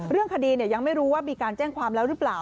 เรื่องคดียังไม่รู้ว่ามีการแจ้งความแล้วหรือเปล่า